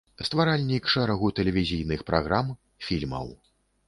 Стваральнік шэрагу тэлевізійных праграм, фільмаў.